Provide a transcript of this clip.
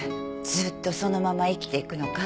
ずっとそのまま生きていくのか？